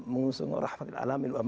mengusung rahmat alamin